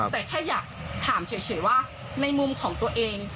แต่แค่อยากถามเฉยว่าในมุมของตัวเอง